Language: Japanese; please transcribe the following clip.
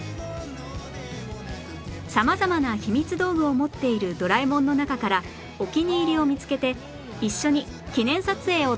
さまざまなひみつ道具を持っているドラえもんの中からお気に入りを見つけて一緒に記念撮影を楽しんでください